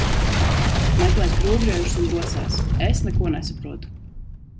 Meklē skrūvgriežus un rosās. Es neko nesaprotu.